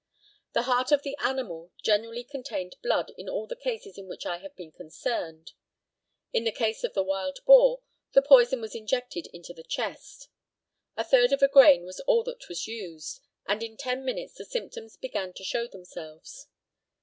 The heart of the animal generally contained blood in all the cases in which I have been concerned. In the case of the wild boar the poison was injected into the chest. A third of a grain was all that was used, and in ten minutes the symptoms began to show themselves.